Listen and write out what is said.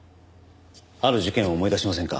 ある事件を思い出しませんか？